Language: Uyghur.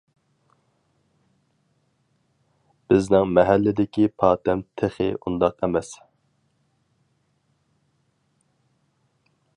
بىزنىڭ مەھەللىدىكى پاتەم تېخى ئۇنداق ئەمەس.